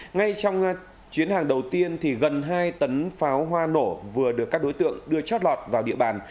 ngay trong chuyến hàng đầu tiên gần hai tấn pháo hoa nổ vừa được các đối tượng đưa chót lọt vào địa bàn